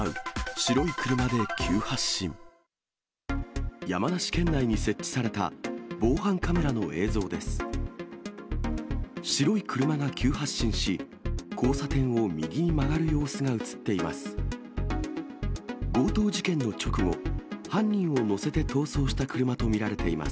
白い車が急発進し、交差点を右に曲がる様子が写っています。